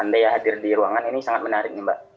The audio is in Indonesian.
anda ya hadir di ruangan ini sangat menarik mbak